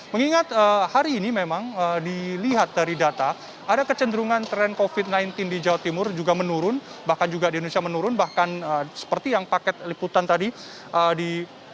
mengingat hari ini memang dilihat dari data ada kecenderungan tren covid sembilan belas di jawa timur juga menurun bahkan juga di indonesia menurun bahkan seperti yang paket liputan tadi diberikan